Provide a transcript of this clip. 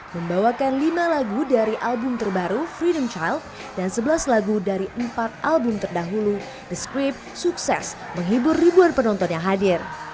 membawakan lima lagu dari album terbaru freedom chile dan sebelas lagu dari empat album terdahulu the script sukses menghibur ribuan penonton yang hadir